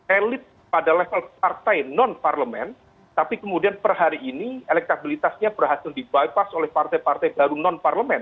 elit pada level partai non parlemen tapi kemudian per hari ini elektabilitasnya berhasil di bypass oleh partai partai baru non parlemen